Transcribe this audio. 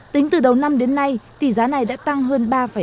tính từ đầu năm đến nay tỷ giá này đã tăng hơn ba sáu